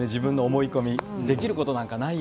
思い込み、できることなんかない。